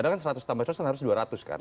kalau seratus tambah seratus harus dua ratus kan